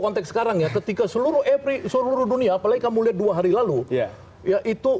konteks sekarang ya ketika seluruh epri seluruh dunia apalagi kamu lihat dua hari lalu ya itu